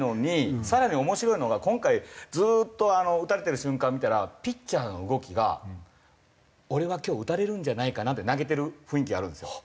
更に面白いのが今回ずっと打たれてる瞬間見たらピッチャーの動きが「俺は今日打たれるんじゃないかな」で投げてる雰囲気あるんですよ。